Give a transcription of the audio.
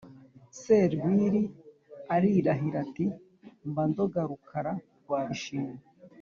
serwili arirahira ati:mba ndoga rukara rwa bishingwe